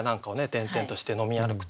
転々として飲み歩くと。